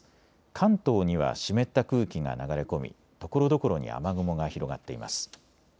関東には湿った空気が流れ込みところどころに雨雲が広がっています。